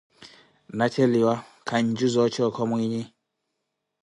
Na cheliwa, kanjo za oocha okho mwiinyi.